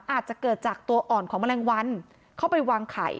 อาจจะเกิดจากตัวอ่อนของแมลงวันเข้าไปวางไข่